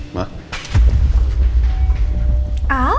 ada apa ini